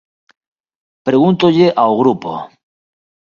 Pregúntolle ao grupo.